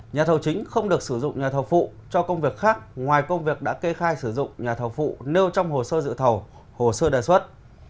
nhà thầu chính không được sử dụng nhà thầu phụ cho công việc khác ngoài công việc đã kê khai sử dụng nhà thầu phụ nêu trong hồ sơ dự thầu hồ sơ đề xuất